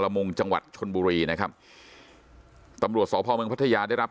มงจังหวัดชนบุรีนะครับตำรวจสพเมืองพัทยาได้รับ